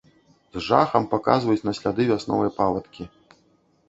З жахам паказваюць на сляды вясновай павадкі.